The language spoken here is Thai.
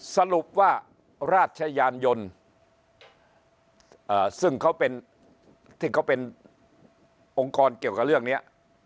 สรุปว่าราชยานยนต์ซึ่งเขาเป็นที่เขาเป็นองค์กรเกี่ยวกับเรื่องนี้